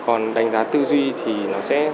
còn đánh giá tư duy thì nó sẽ